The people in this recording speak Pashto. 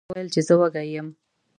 ما ورته وویل چې زه وږی یم.